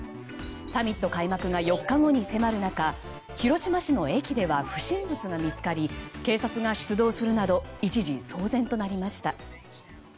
サミット開幕が４日後に迫る中広島市の駅では不審物が見つかり警察が出動するなど一時、騒然となりました。